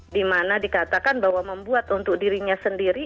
dimana dikatakan bahwa membuat untuk dirinya sendiri